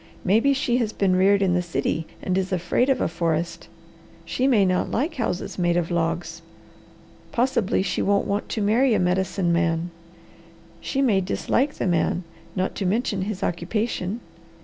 Maybe she has been reared in the city and is afraid of a forest. She may not like houses made of logs. Possibly she won't want to marry a Medicine Man. She may dislike the man, not to mention his occupation.